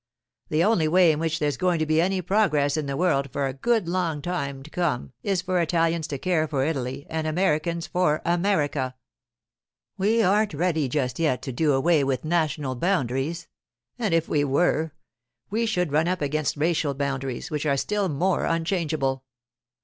The only way in which there's going to be any progress in the world for a good long time to come is for Italians to care for Italy and Americans for America. We aren't ready just yet to do away with national boundaries; and if we were, we should run up against racial boundaries, which are still more unchangeable.